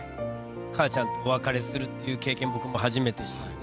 母ちゃんとお別れするっていう経験、僕も初めてしたんで。